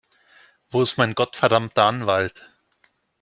Wo ist mein gottverdammter Anwalt?